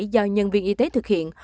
do nhân viên y tế thực hiện